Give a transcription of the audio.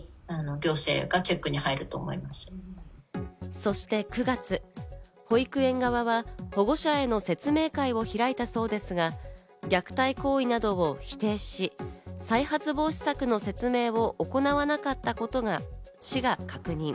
そして９月、保育園側は保護者への説明会を開いたそうですが、虐待行為などを否定し、再発防止策の説明を行わなかったことを市が確認。